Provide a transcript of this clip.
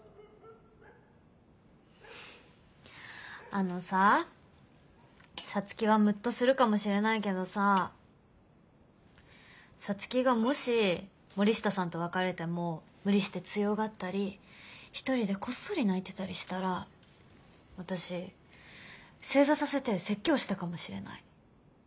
あのさ皐月はムッとするかもしれないけどさ皐月がもし森下さんと別れても無理して強がったり一人でこっそり泣いてたりしたら私正座させて説教したかもしれない。